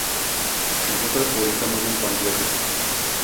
nosotros publicamos un panfleto